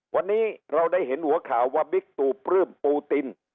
วันนี้เราได้เห็นหัวข่าวว่าบิ๊กตูปลื้มปูติน